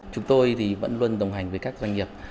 chúng tôi thì vẫn luôn đồng hành với các doanh nghiệp